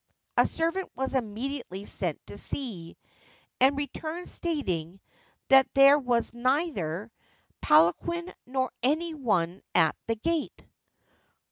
A servant was immediately sent to see, and returned, 8 The Golden Hairpin stating that there was neither palanquin nor any one at the gate.